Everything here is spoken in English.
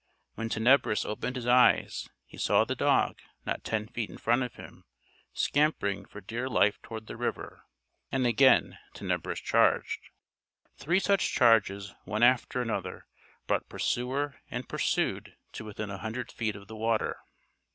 When Tenebris opened his eyes he saw the dog, not ten feet in front of him, scampering for dear life toward the river. And again Tenebris charged. Three such charges, one after another, brought pursuer and pursued to within a hundred feet of the water.